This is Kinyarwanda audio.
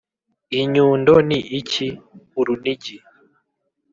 inyundo ni iki? urunigi,